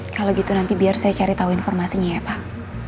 kalau gitu nanti biar saya cari tahu informasinya ya pak